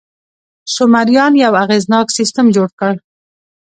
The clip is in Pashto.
سومریان یو اغېزناک سیستم جوړ کړ.